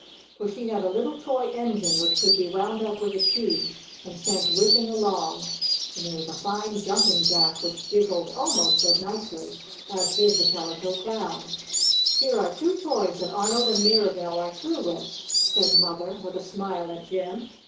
For she had a little toy engine, which could be wound up with a key and sent whizzing along. And there was a fine Jumping Jack, which jiggled almost as nicely as did the Calico Clown. "Here are two toys that Arnold and Mirabell are through with," said Mother, with a smile at Jim.